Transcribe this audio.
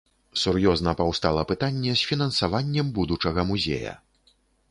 Сур'ёзна паўстала пытанне з фінансаваннем будучага музея.